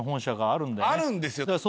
あるんですよ。